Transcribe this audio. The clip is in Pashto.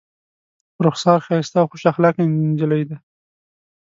رخسار ښایسته او خوش اخلاقه نجلۍ ده.